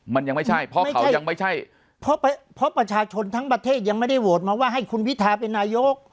มันยังไม่ใช่เพราะเขายังไม่ใช่เพราะประชาชนทั้งประเทศยังไม่ได้โหวตมาว่าให้คุณพิทาเป็นนายก